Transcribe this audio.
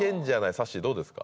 さっしーどうですか？